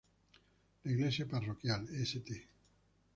La iglesia parroquial St.